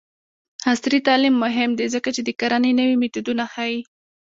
عصري تعلیم مهم دی ځکه چې د کرنې نوې میتودونه ښيي.